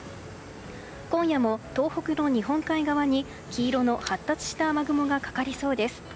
今夜も東北の日本海側に、黄色の発達した雨雲がかかりそうです。